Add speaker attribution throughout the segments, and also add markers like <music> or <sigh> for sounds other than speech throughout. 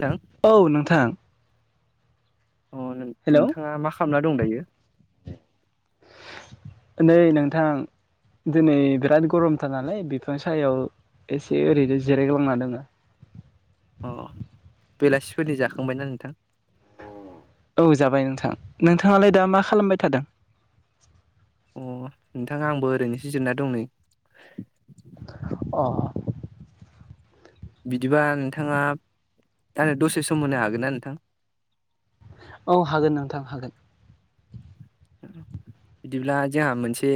Speaker 1: नोंथां
Speaker 2: औ नोंथां।
Speaker 1: अ
Speaker 2: हेलौ
Speaker 1: नोंथाङा मा खालामना दं दायो।
Speaker 2: नै नोंथां। दिनै बिराद गरमथार नालाय बिफां सायाव एसे ओरैनो जिरायग्लांना दोङो।
Speaker 1: अ बेलासिफोरनि जाखांबायना नोंथां।
Speaker 2: औ जाबाय नोंथां नोंथाङालाय दा मा खालामबाय थादों।
Speaker 1: अ नोंथाङा आंबो ओरैनोसो जिरना दं नै।
Speaker 2: अ।
Speaker 1: बिदिबा नोंथाङा आंनो दसे सम होनो हागोन ना नोंथां।
Speaker 2: औ हागोन नोंथां हागोन।
Speaker 1: बिदिब्ला जोंहा मोनसे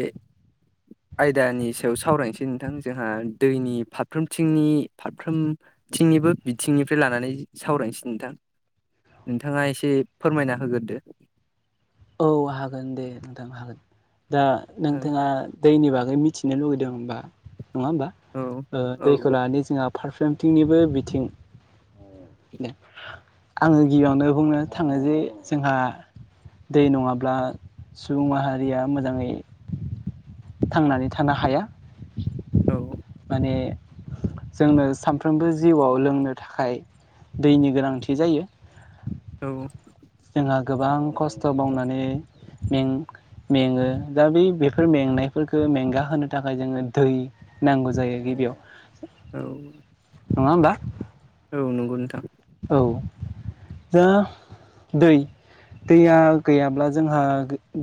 Speaker 1: आयदानि सायाव सावरायनोसै नोंथां जोंहा दैनि फारफ्रोमथिंनि फारफ्रोम थंनिबो बिथिंनिफ्राय लानानै सावरायनोसै नोंथां। नोंथाङा एसे फोरमायना होग्रोदो।
Speaker 2: औ हागोन दे नोंथां हागोन दा
Speaker 1: औ
Speaker 2: नोंथाङा दैनि बागै मिथिनो लुगैदों होनबा नङा होमबा
Speaker 1: औ औ
Speaker 2: दैखौ लानानै जोंहा फारफ्रोमथिंनिबो बिथिं आङो गिबियावनो बुंनो थाङो जे जोंहा दै नङाब्ला सुबुं माहारिया मोजाङै थांनानै थानो हाया।
Speaker 1: औ।
Speaker 2: माने जोंनो सानफ्रोमबो जिउआव लोंनो थाखाय दैनि गोनांथि जायो।
Speaker 1: औ।
Speaker 2: जोंहा गोबां खस्थ' मावनानै मेङो दा बे बेफोर मेंनायफोरखौ मेंगााहो थाखाय जोङो दै नांगौ जायो गिबियाव
Speaker 1: औ।
Speaker 2: नङा होमबा?
Speaker 1: औ नंगौ नोंथां।
Speaker 2: औ जों दै दैया गैयाब्ला जोंहा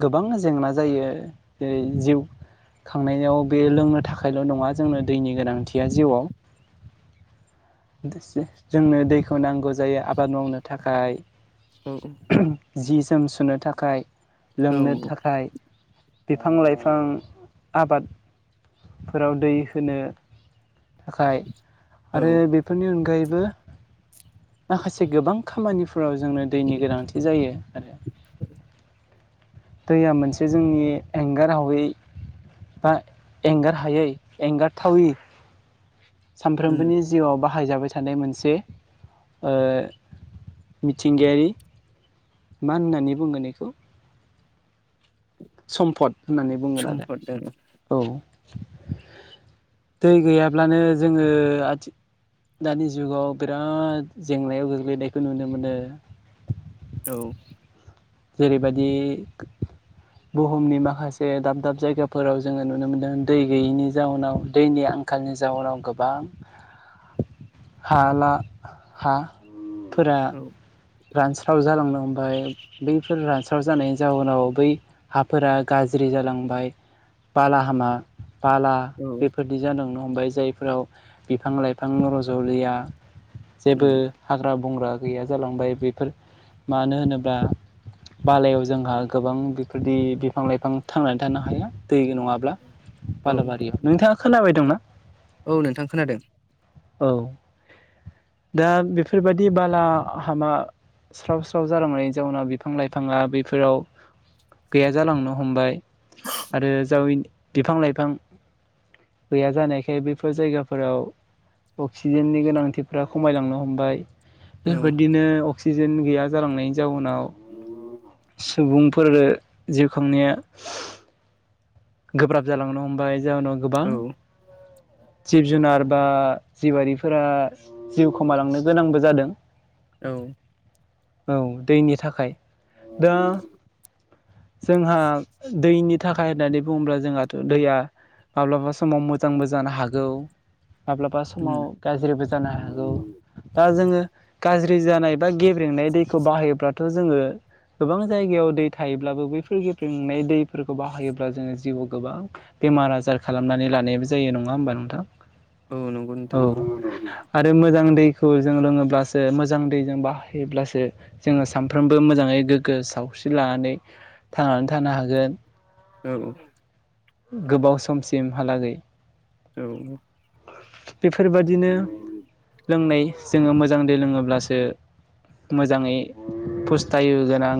Speaker 2: गोबां जेंना जायो जेरै जिउ खांनायाव बे लोंनो थाखायल' नङा जोंनो दैनि गोनांथिया जिउआव जोंनो दैखौ नांगौ जायो आबाद मावनो थाखाय
Speaker 1: बे
Speaker 2: जि जोम सुनो थाखाय लोंनो
Speaker 1: औ
Speaker 2: थाखाय बिफां लाइफां आबाद फोराव दै होनो थाखाय आरो बेफोरनि अनगायैबो माखासे गोबां खामानिफोराव जोंनो दैनि गोनांथि जायो आरो।
Speaker 1: औ।
Speaker 2: दैया मोनसे जोंनि एंगार हायै बा एंगार हायै एंगारथावै
Speaker 1: औ
Speaker 2: सानफ्रोमबोनि जिउआव बाहायजाबाय थानाय मोनसे मिथिंगायारि मा होननानै बुङो बेखौ सम्फद होननानै बुंगोन
Speaker 1: सम्पद
Speaker 2: आरो औ दै गैयाब्लानो जोङो आथि दानि जुगाव बिराद जेंनायाव गोग्लैनायखौ नुनो मोनो
Speaker 1: औ
Speaker 2: जेरैबायदि बुहुमनि माखासे दाब दाब जायगाफोराव जोङो नुनो मोनदों दै गैयैनि जाउनाव दैनि आंखाल आथिखालनि जाउनाव गोबां हा ला हा फोरा
Speaker 1: औ
Speaker 2: रानस्राव जालांनो हमबाय बैफोर रानस्राव जानायनि जाउनाव बै हाफोरा गाज्रि जालांबाय बाला हामा बाला
Speaker 1: औ
Speaker 2: बेफोरबादि जालांनो हमबाय जायफोराव बिफां लाइफां रज'लिया जेबो
Speaker 1: उम
Speaker 2: हाग्रा बंग्रा गैया जालांबाय बेफोर मानो होनोब्ला बालायाव जोंहा गोबां बेफोरबादि बिफां लाइफां थांनानै थानो हाया दै नङाब्ला
Speaker 1: औ
Speaker 2: बालाबारियाव नोंथाङा खोनाबायदोंना
Speaker 1: औ नोंथां खोनादों
Speaker 2: औ दा बेफोरबायदि बाला हामा स्राव स्राव जालांनायनि जाउनाव बिफां लाइफाङा बेफोराव गैया जालांनो हमबाय आरो जाव बिफां लाइफां गैया जानायखाय बेफोर जायगाफोराव अक्सिजेननि गोनांथिफ्रा खमायलांनो हमबाय
Speaker 1: औ
Speaker 2: बेफोरबायदिनो अक्सिजेन गैया जालांनायनि जाउनाव
Speaker 1: <inaudible>
Speaker 2: सुबुंफोरो जिउ खांनाया गोब्राब जालांनो हमबाय जाउनाव गोबां
Speaker 1: <inaudible>
Speaker 2: जिब जुनार बा जिबारिफोरा जिउ खोमालांनो गोनांबो जादों
Speaker 1: औ
Speaker 2: औ दैनि थाखाय दा जोंहा दैनि थाखाय होननानै बुब्ला जोंहाथ' दैया माब्लाबा समाव मोजांबो जानो हागौ माब्लाबा
Speaker 1: उम
Speaker 2: समाव गाज्रिबो जानो हागौ दा जोङो गाज्रि जानाय बा गेब्रेंनाय दैखौ बाहायोब्लाथ' जोङो गोबां जायगायाव दै थायोब्लाबो बैफोर गेब्रेंनाय दैफोरखौ बाहायोब्ला जोङो जिउआव गोबां बेमार आजार खालामनानै लानायबो जायो नङा होमबा नोंथां
Speaker 1: औ नंगौ
Speaker 2: औ
Speaker 1: नोंथां
Speaker 2: आरो मोजां दैखौ जों लोङोब्लासो मोजां दैजों बाहायोब्लासो जोङो सानफ्रोमबो मोजाङै गोग्गो सावस्रि लानानै थांनानै थानो हागोन
Speaker 1: औ
Speaker 2: गोबाव समसिमहालागै
Speaker 1: औ
Speaker 2: बेफोरबादिनो लोंनाय जोङो मोजां दै लोङोब्लासो मोजाङै फस्थायो गोनां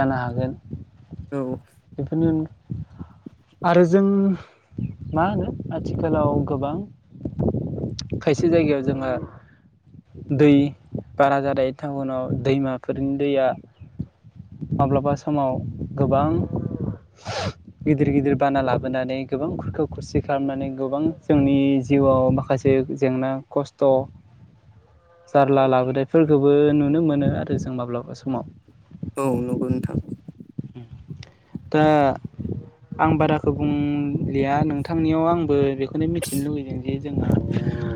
Speaker 2: जानो हागोन
Speaker 1: औ
Speaker 2: बेफोरनि <unintelligible> आरो जों मा होनो आथिखालाव गोबां खायसे जायगायाव जोङो दै बारा जानाय टाउनाव दैमाफोरनि दैया माब्लाबा समाव गोबां गिदिर गिदिर बाना लाबोनानै गोबांफोरखौ खुरखा खुसि खालामनानै गोबां जोंनि जिउआव माखासे जेंना खस्थ' जारला लाबोनायफोरखौबो नुनो मोनो आरो जों माब्लाबा समाव।
Speaker 1: औ नंगौ नोंथां।
Speaker 2: दा आं बाराखौ बुंलिया नोंथांनियाव आंबो बेखौनो मिथिनो लुुबैदों। बे जोंहा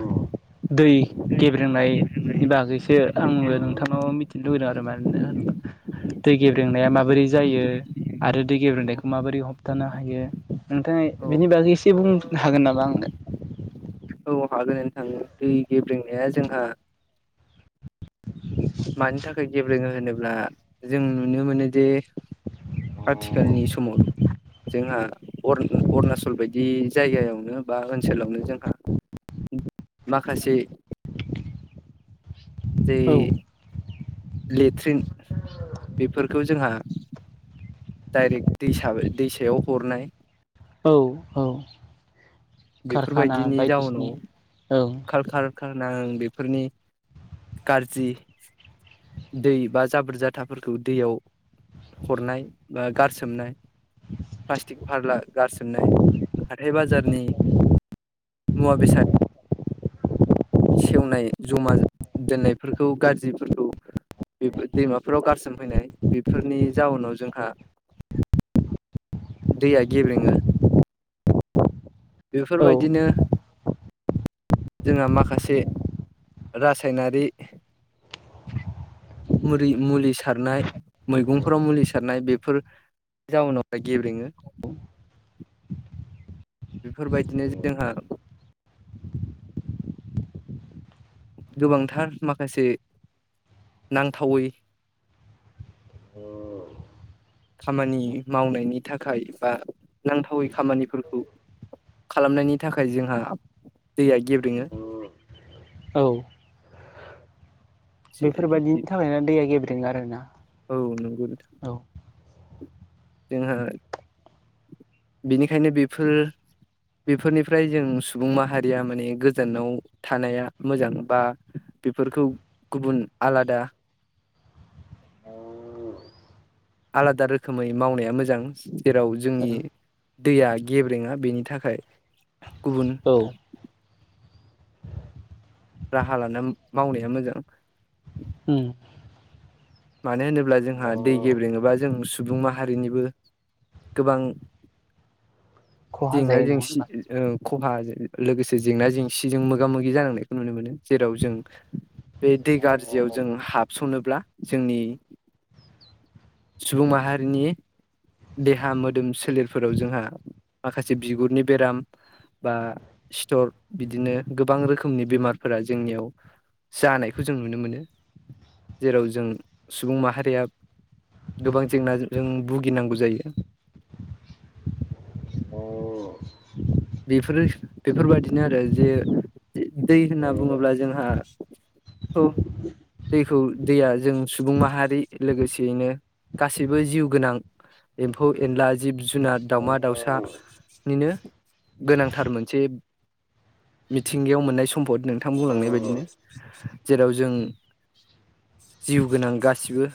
Speaker 2: दै
Speaker 1: औ औ
Speaker 2: गेब्रेंनाय नि बागैसो आंबो नोंथांनाव मिथिनो लुबैदों आरो मानोना होमबा दै गेब्रेंनाया माबोरै जायो आरो दै गेब्रेंनाय माबोरै हमथानो हायो नोंथाङा बिनि बागै एसे बुंनो हागोन नामा आंनो?
Speaker 1: औ हागोन नोंथां दै गेब्रेंनाया जोंहा
Speaker 2: <inaudible>
Speaker 1: मानि थाखाय गेब्रेङो होनोब्ला जों नुनो मोनो जे आथिखालनि समाव जोंहा अर अरुणचल बायदि जायगायावनो बा ओनसोलावनो जोंहा माखासे <inaudible> लेट्रिन बेफोरखौ जोंहा डाइरेक्ट दैसा दैसायाव हरनाय।
Speaker 2: औ औ कारखाना बायदिसिना ओं
Speaker 1: खारखाना ओं बेफोरनि गारजि दै बा जाबोर जाथाफोरखौ दैयाव हरनाय बा गारसोमनाय प्लास्टिक फारला गारसोमनाय हाथाय बाजारनि मुवा बेसाद सेवनाय जमा दोननायफोरखौ गारज्रिफोरखौ बेफोर दैमाफोराव गारसोम हैनाय बेफोरनि जाउनाव जोंहा दैया गेब्रेङो। बेफोर
Speaker 2: औ
Speaker 1: बायदिनो जोंहा माखासे रासायनारि मुरि मुलि सारनाय मैगंफोराव मुलि सारनाय बेफोर जाउनाव गेब्रेङो। बेफोर बायदिनो जोंहा गोबांथार माखासे नांथावै खामानि मावनायनि थाखाय बा नांथावै खामानिफोरखौ खालामनायनि थाखाय जोंहा दैया गेब्रेङो।
Speaker 2: औ बेफोरबायाददिनि थाखायना दैया गेब्रेङो आरो ना।
Speaker 1: औ नंगौ नोंथां जोङो बेनिखायनो बेफोर बेफोरनिफ्राय जों सुबुं माहारिया माने गोजानाव थानाया मोजां बा बेफोरखौ गुबुन आलादा आलादा रोखोमै मावनाया मोजां जेराव जोंनि
Speaker 2: औ
Speaker 1: दैया गेब्रेङो बेनि थाखाय गुबुन
Speaker 2: औ
Speaker 1: राहा लाना मावनाया मोजां।
Speaker 2: उम
Speaker 1: मानो होनोब्ला जोंहा दै गेब्रेङोबा जों सुबुं माहारिनिबो गोबां
Speaker 2: खहा
Speaker 1: जेंना
Speaker 2: जायो नङा
Speaker 1: जेंसि
Speaker 2: होमबा
Speaker 1: ओं खहा लोगोसे जेंना जेंसिजों मोगा मोगि जानांनायखौ नुनो मोनो जेराव जों बे दै गाज्रियाव जों हाबसनोब्ला जोंनि सुबुं माहारिनि देहा मोदोम सोलेरफोराव जोंहा माखासे बिगुरनि बेराम बा सिथर बिदिनो गोबां रोखोमनि बेमारफोरा जोंनियाव जानायखौ जों नुनो मोनो जेराव जों सुबुं माहारिया गोबां जेंनाजों भुगिनांगौ जायो।
Speaker 2: औ।
Speaker 1: बेफोरो बेफोर बादिनो आरो जे दै होनना बुङोब्ला जोंहा औ। दैखौ दैया जों सुबुं माहारि लोगोसेयैनो गासैबो जिउ गोनां एम्फौ- एनला, जिब -जुनार, दाउमा -दाउसानिनो गोनांथार मोनसे मिथिंगायाव मोननाय सम्फद नोंथां बुंलांनाय बायदिनो जेराव जों जिउ गोनां गासिबो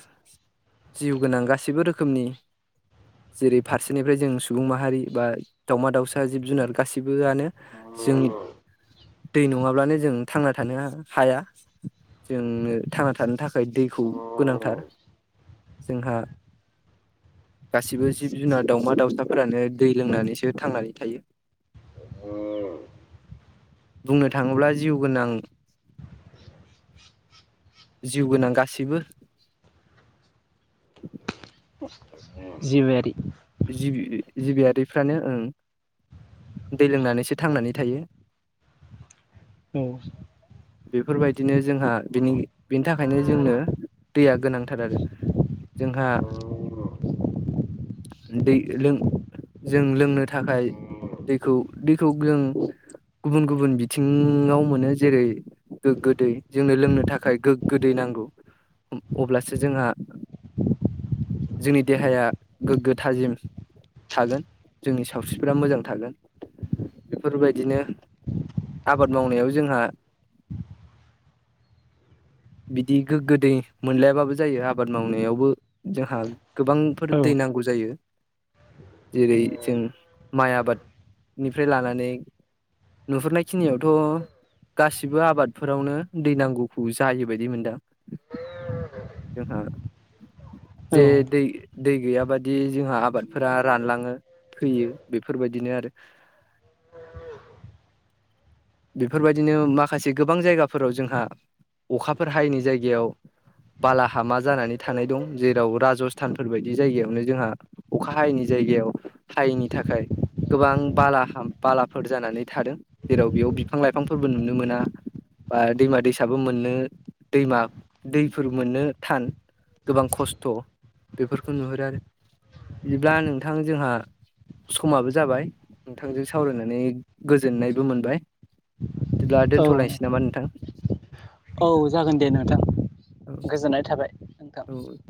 Speaker 1: जिउ गोनां गासिबो रोखोमनि जेरै फारसेनिफ्राय जों सुबुं माहारि बा दाउमा-दाउसा ओ जिब-जुनार गासिबोआनो जोंनि दै नङाब्लानो जों थांना थानो हाया। जोंनो थांना थानो थाखाय दैखौ गोनांथार। जोंहा गासिबो जिब- जुनार दाउमा -दाउसाफोरानो दै लोंनानैसो थांनानै थायो बुंनो थाङोब्ला जिउ गोनां जिउ गोनां गासिबो
Speaker 2: <inaudible> जिबियारि
Speaker 1: जिबि- जिबियारिफ्रानो ओं दै लोंनानैसो थांनानै थायो।
Speaker 2: उम।
Speaker 1: बेफोर बायदिनो जोंहा बिनि बेनि थाखायनो जोंनो दैया गोनांथार आरो। जोंहा दै लों जों लोंनो थाखाय दैखौ दैखौ जों गुबुन गुबुन बिथिङाव मोनो जेरै गोग्गो दै जोंनो लोंनो थाखाय गोगो दै नांगौ। अब्लासो जोंहा जोंनि देहाया गोग्गो थाजिम थागोन जोंनि सावस्रिफ्रा मोजां थागोन। बेफोर बायदिनो आबाद मावनायाव जोंहा <inaudible> बिदि गोग्गो दै मोनलायाबाबो जायो आबाद मावनायावबो जोंहा गोबांफोर
Speaker 2: औ
Speaker 1: दै नांगौ जायो। जेरै जों माइ आबादनिफ्राय लानानै नुहुरनाय खिनियावथ' गासिबो आबादफोरावनो दै नांगौखौ जायो बायदि मोनदां। जोंहा
Speaker 2: औ
Speaker 1: जे दै दै गैयाबादि जोंहा आबादफोरा रानलाङो। फैयो बेफोर बायदिनो आरो। बेफोर बायदिनो माखासे गोबां जायगाफोराव जोंहा अखाफोर हायैनि जायगायाव बालाहामा जानानै थानाय दं जेराव राजस्थानफोर बायदि जायगायावनो जोंहा अखा हायैनि जायगायाव हायैनि थाखाय गोबां बालाहाम बालाफोर जानानै थादों जेराव बेयाव बि बिफां-लाइफांफोरबो नुनो मोना बा दैमा-दैसाबो मोननो दैमा दैफोर मोननो थान गोबां खस्थ'। बेफोरखौ नुहुरो आरो बिदिब्ला नोंथां जोहा समाबो जाबाय नोंथांजों सावरायनानै गोजोननायबो मोनबाय। जेब्ला दोन्थ'लायनोसै नामा नोंथां
Speaker 2: औ जागोन दे नोंथां गोजोननाय थाबाय। नोंथां
Speaker 1: औ